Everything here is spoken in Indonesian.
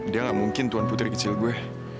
dia gak mungkin tuan putri kecil gue